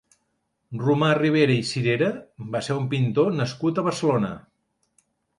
Romà Ribera i Cirera va ser un pintor nascut a Barcelona.